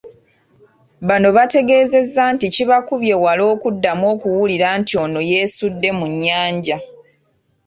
Bano bategeezezza nti kibakubye wala okuddamu okuwulira nti ono yeesudde mu nnyanja.